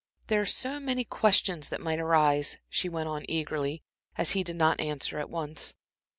"There are so many questions that might arise," she went on, eagerly, as he did not answer at once.